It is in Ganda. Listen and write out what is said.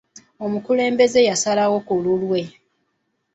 Omukulembeze yasalawo ku lulwe.